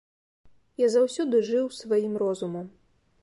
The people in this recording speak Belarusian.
Я заўсёды жыў сваім розумам.